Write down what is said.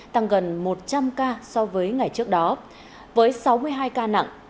tăng gần một trăm linh ca so với ngày trước đó với sáu mươi hai ca nặng